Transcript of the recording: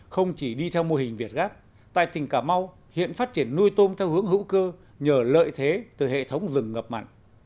không chỉ đi theo mô hình việt gáp tại tỉnh cà mau hiện phát triển nuôi tôm theo hướng hữu cơ nhờ lợi thế từ hệ thống rừng ngập mặn